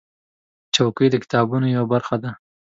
چوکۍ د کتابتون یوه برخه ده.